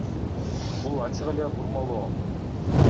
Бул ачык эле бурмалоо.